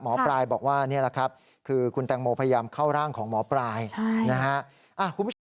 หมอปลายบอกว่านี่แหละครับคือคุณแตงโมพยายามเข้าร่างของหมอปลายนะฮะ